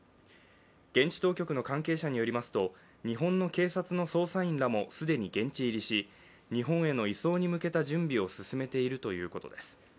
現地当局の関係者によりますと、日本の警察の捜査員らも既に現地入りし日本への移送に向けた準備を進めているということです。